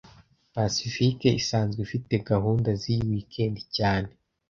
Pacifique asanzwe afite gahunda ziyi weekend cyane